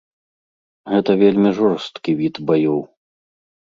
Гэта вельмі жорсткі від баёў.